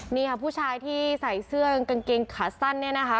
นี่ค่ะผู้ชายที่ใส่เสื้อกางเกงขาสั้นเนี่ยนะคะ